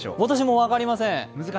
私も分かりません。